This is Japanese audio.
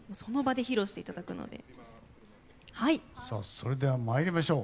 それでは参りましょう。